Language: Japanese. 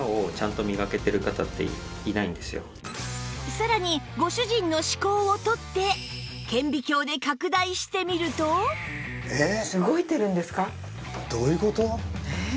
さらにご主人の歯垢を取って顕微鏡で拡大してみるとえーっ！